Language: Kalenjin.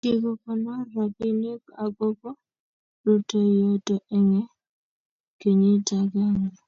kiko konor robinik akobo rutoiyoto eng kenyit agange